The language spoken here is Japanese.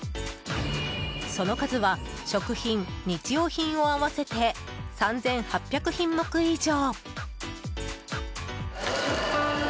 その数は食品、日用品を合わせて３８００品目以上。